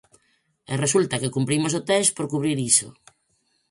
E resulta que cumprimos o test por cubrir iso.